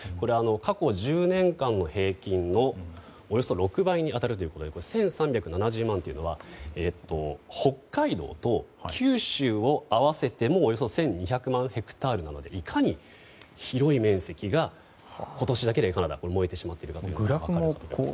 過去１０年間の平均のおよそ６倍に当たるということで１３７０万というのは北海道と九州を合わせてもおよそ１２００万ヘクタールなのでいかに広い面積が今年だけでカナダでは燃えてしまっているのが分かると思います。